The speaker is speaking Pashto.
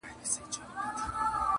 • ستا د مړو سترګو کاته زما درمان سي,